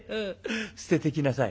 捨ててきなさい」。